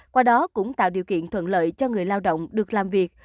qua đó cũng tạo điều kiện thuận lợi cho người lao động được làm việc